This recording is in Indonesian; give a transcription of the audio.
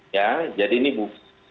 ya jadi ini bu